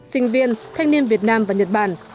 sinh viên thanh niên việt nam và nhật bản